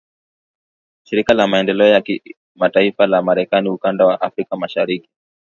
Shirika la Maendeleo ya Kimataifa la Marekani Ukanda wa Afrika Mashariki